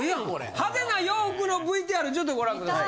派手な洋服のＶＴＲちょっとご覧ください。